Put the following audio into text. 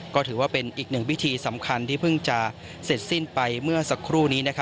ก็ถือว่าเป็นอีกหนึ่งพิธีสำคัญที่เพิ่งจะเสร็จสิ้นไปเมื่อสักครู่นี้